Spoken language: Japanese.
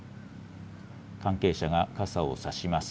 関係者が傘を差します。